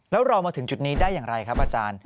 แล้วเรามาถึงจุดนี้ได้อย่างไรครับอาจารย์